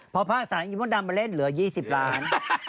พอภาคสายกินมดดำมาเล่นเหลือ๒๐ล้าน